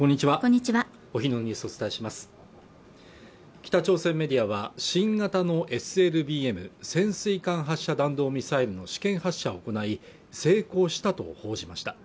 北朝鮮メディアは新型のＳＬＢＭ＝潜水艦発射弾道ミサイルの試験発射を行い成功したと報じました